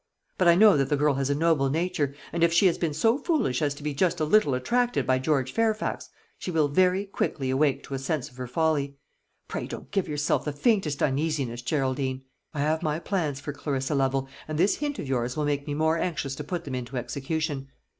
But I know that the girl has a noble nature, and if she has been so foolish as to be just a little attracted by George Fairfax, she will very quickly awake to a sense of her folly. Pray don't give yourself the faintest uneasiness, Geraldine. I have my plans for Clarissa Lovel, and this hint of yours will make me more anxious to put them into execution.